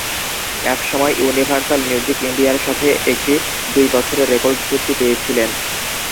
তিনি একময় Universal Music ইন্ডিয়ার সাথে একটি দুই বছরের রেকর্ড চুক্তি পেয়েছিলেন।